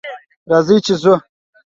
راځئ چې ځو!